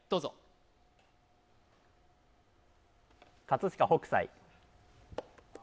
葛飾北斎。